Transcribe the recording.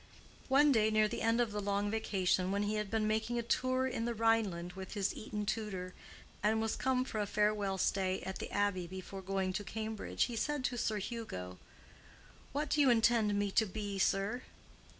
One day near the end of the long vacation, when he had been making a tour in the Rhineland with his Eton tutor, and was come for a farewell stay at the Abbey before going to Cambridge, he said to Sir Hugo, "What do you intend me to be, sir?"